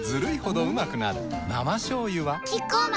生しょうゆはキッコーマン